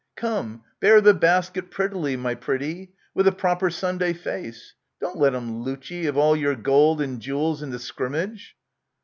Come, bear the basket prettily, my pretty ! With a proper Sunday face ! Don't let 'em loot ye Of all your gold and jewels in the scrimmage